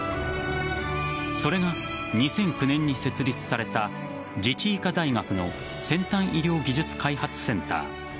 それが２００９年に設立された自治医科大学の先端医療技術開発センター